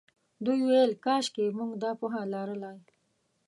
دوی ویل کاشکې موږ دا پوهه لرلای.